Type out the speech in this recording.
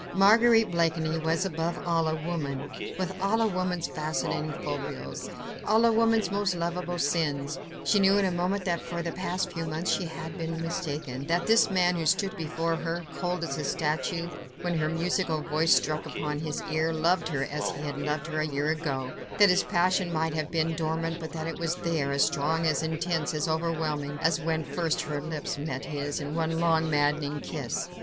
Marguerite Blakeney was, above all, a woman, with all a woman's fascinating foibles, all a woman's most lovable sins. She knew in a moment that for the past few months she had been mistaken: that this man who stood here before her, cold as a statue, when her musical voice struck upon his ear, loved her, as he had loved her a year ago: that his passion might have been dormant, but that it was there, as strong, as intense, as overwhelming, as when first her lips met his in one long, maddening kiss.